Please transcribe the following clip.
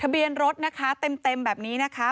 เบียนรถนะคะเต็มแบบนี้นะคะ